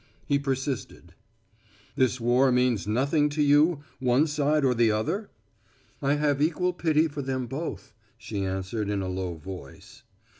He persisted: "This war means nothing to you one side or the other?" "I have equal pity for them both," she answered in a low voice.